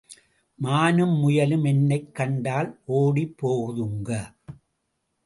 மானும் முயலும் என்னைக் கண்டால் ஒடிப் போகுதுங்க.